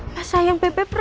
mas sayang pepe proy